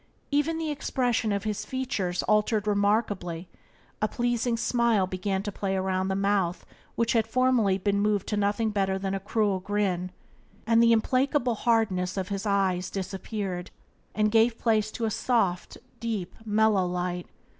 Even the expression of his features altered remarkably: a pleasing smile began to play around the mouth which had formerly been moved to nothing better than a cruel grin, and the implacable hardness of his eyes disappeared and gave place to a soft, deep, mellow light.